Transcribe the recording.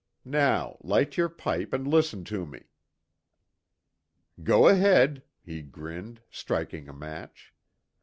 Now light your pipe and listen to me." "Go ahead," he grinned, striking a match.